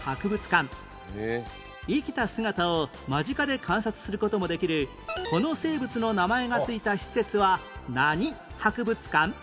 生きた姿を間近で観察する事もできるこの生物の名前が付いた施設は何博物館？